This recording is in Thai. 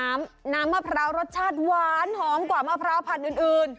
มันหอนของกว่ามะพร้าวพันธุ์อื่น